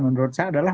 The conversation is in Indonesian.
menurut saya adalah